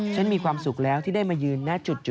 ฉันมีความสุขแล้วที่ได้มายืนณจุดนี้